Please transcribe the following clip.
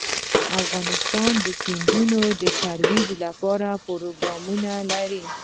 افغانستان د سیندونه د ترویج لپاره پروګرامونه لري.